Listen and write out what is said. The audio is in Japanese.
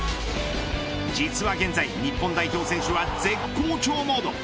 実は現在日本代表選手は絶好調モード。